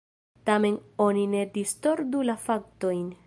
Tamen oni ne distordu la faktojn.